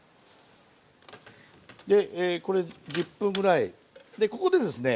でこれ１０分ぐらいでここでですね